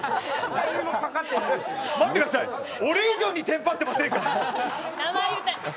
待ってください俺以上にてんぱっていませんか。